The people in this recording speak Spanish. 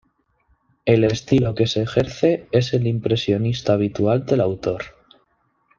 El estilo que se ejerce es el impresionista habitual del autor.